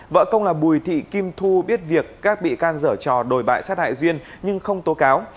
vợ công là bùi thị kim thu biết việc các bị can dở trò đồi bại sát hại duyên nhưng không tố cáo